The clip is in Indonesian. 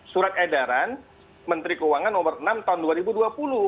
surat edaran menteri keuangan nomor enam tahun dua ribu dua puluh